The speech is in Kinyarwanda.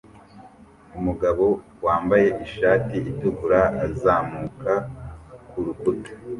Umugabo wambaye ishati itukura azamuka kurukuta